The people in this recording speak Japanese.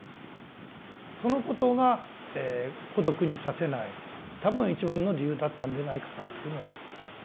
そのことが孤独にさせない多分一番の理由だったんでないかなというふうに思ってます。